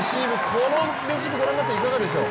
このレシーブご覧になって、いかがでしょう。